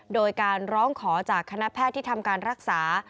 โดยการร้องขอจากคณะแพทย์ที่ทำการรักษา